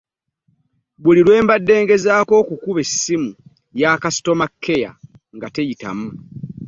Buli lwe mbadde nga ngezaako okukuba essimu ya kasitoma kkeya nga siyitamu.